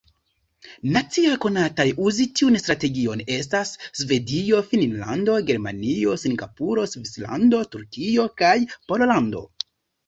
Nacioj konataj uzi tiun strategion estas Svedio, Finnlando, Germanio, Singapuro, Svislando, Turkio kaj Pollando.